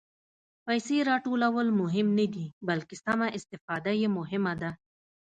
پېسې راټولول مهم نه دي، بلکې سمه استفاده یې مهمه ده.